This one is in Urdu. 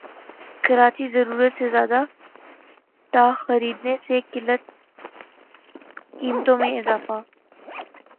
کراچی ضرورت سے زیادہ ٹا خریدنے سے قلت قیمتوں میں اضافہ